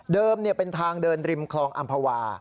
เป็นทางเดินริมคลองอำภาวา